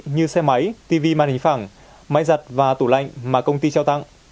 như xe máy tv màn hình phẳng máy giặt và tủ lạnh mà công ty trao tặng